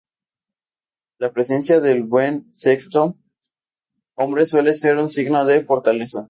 La presencia de un buen sexto hombre suele ser un signo de fortaleza.